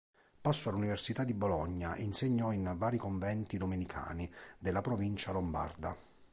Passò all'Università di Bologna e insegnò in vari conventi domenicani della "Provincia Lombarda".